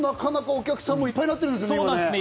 お客さんもいっぱいになってるんですよね。